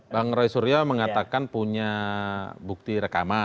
bang roy suryo mengatakan punya bukti rekaman